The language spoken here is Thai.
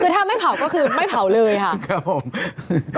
ถ้าไม่เผาก็คือไม่เผาเลยค่ะ